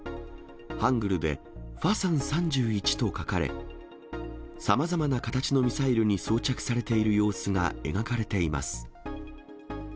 ハングルでファサン３１と書かれ、さまざまな形のミサイルに装着されている様子が描かれています。